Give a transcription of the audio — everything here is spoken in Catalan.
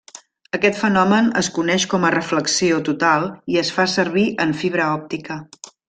Aquest fenomen es coneix com a reflexió total i es fa servir en fibra òptica.